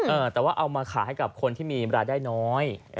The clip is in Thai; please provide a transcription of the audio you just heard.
เออแต่ว่าเอามาขายให้กับคนที่มีรายได้น้อย